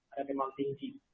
ada demam tinggi